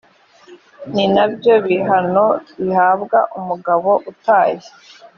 ni na byo bihano bihabwa umugabo utaye